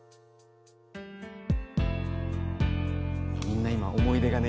みんな今思い出がね